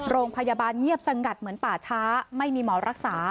โรงพยาบาลเงียบสงัดเหมือนป่าช้าไม่มีหมอรักษา